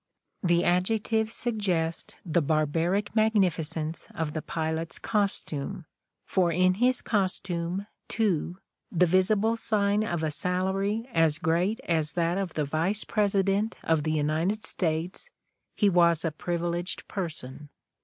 The adjectives suggest the barbaric magnificence of the pilot's costume, for in his costume, too, the visible sign of a salary as great as that of the Vice President of the United States, he was a privileged person.